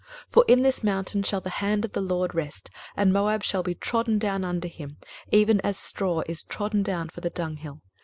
23:025:010 For in this mountain shall the hand of the LORD rest, and Moab shall be trodden down under him, even as straw is trodden down for the dunghill.